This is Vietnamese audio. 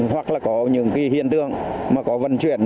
hoặc là có những hiện tượng có vận chuyển